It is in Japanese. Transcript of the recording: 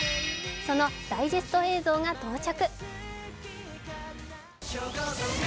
そのダイジェスト映像が到着。